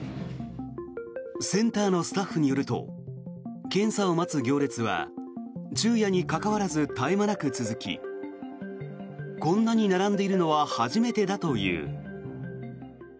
センターのスタッフによると検査を待つ行列は昼夜に関わらず絶え間なく続きこんなに並んでいるのは初めてだという。